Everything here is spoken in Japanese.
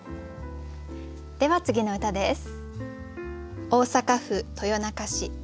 では次の歌です。